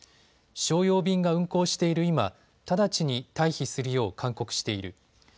商用便が運航している今、直ちに退避するよう勧告している。